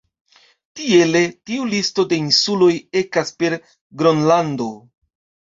Tiele tiu listo de insuloj ekas per Gronlando.